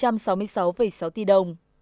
lợi xuất trái phiếu